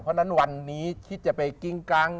เพราะฉะนั้นวันนี้คิดจะไปกิ้งกัง